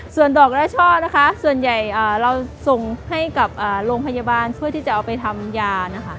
ส่วนดอกและช่อนะคะส่วนใหญ่เราส่งให้กับโรงพยาบาลเพื่อที่จะเอาไปทำยานะคะ